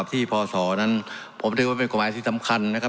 พศนั้นผมเรียกว่าเป็นกฎหมายที่สำคัญนะครับ